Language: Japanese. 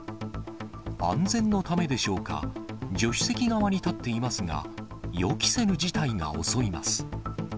安全のためでしょうか、助手席側に立っていますが、予期せぬ事態が襲います。